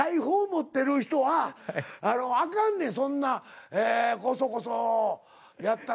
持ってる人はあかんねんそんなこそこそやったら。